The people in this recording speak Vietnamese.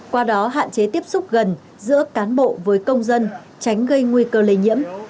qua đó hạn chế tiếp xúc gần giữa cán bộ với công dân tránh gây nguy cơ lây nhiễm